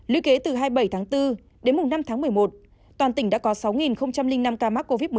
lý kế từ hai mươi bảy tháng bốn đến năm tháng một mươi một toàn tỉnh đã có sáu năm ca mắc covid một mươi chín